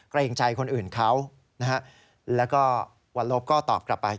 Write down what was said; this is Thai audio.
เกรงใจคนอื่นเขานะฮะแล้วก็วันลบก็ตอบกลับไป